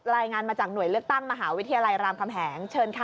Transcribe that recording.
รายงานมาจากหน่วยเลือกตั้งมหาวิทยาลัยรามคำแหงเชิญค่ะ